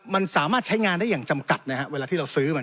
มันสามารถใช้งานได้อย่างจำกัดนะฮะเวลาที่เราซื้อมา